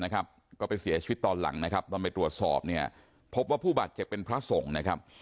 ก็ไปเสียชีวิตตอนหลังตอนไปตรวจสอบพบว่าผู้บาดเจ็บเป็นพระสงฆ์